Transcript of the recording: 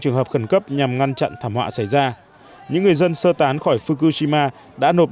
trường hợp khẩn cấp nhằm ngăn chặn thảm họa xảy ra những người dân sơ tán khỏi fukushima đã nộp